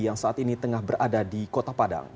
yang saat ini tengah berada di kota padang